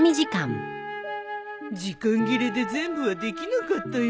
時間切れで全部はできなかったよ。